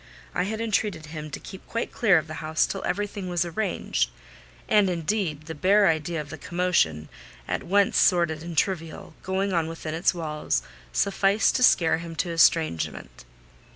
I had entreated him to keep quite clear of the house till everything was arranged: and, indeed, the bare idea of the commotion, at once sordid and trivial, going on within its walls sufficed to scare him to estrangement.